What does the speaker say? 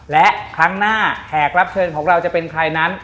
และครั้งหน้าแขกรับเชิญของเราจะเป็นใครนั้น